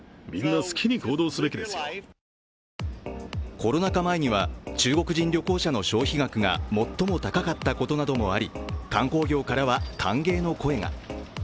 コロナ禍前には中国人旅行者の消費額が最も高かったことなどもあり観光業からは歓迎の声が。